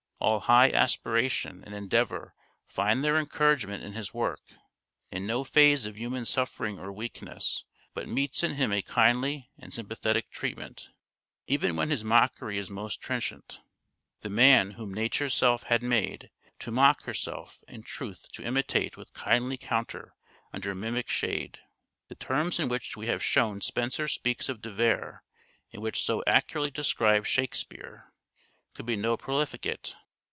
All high aspiration and endeavour find their encouragement in his work, and no phase of human suffering or weakness but meets in him a kindly and sympathetic treatment, even when his mockery is most trenchant. " The man whom Nature's self had made, to mock herself and truth to imitate with kindly counter under mimic shade "— the terms in which we have shown Spenser speaks of De Vere, and which so accurately describe " Shakespeare "— could be no profligate.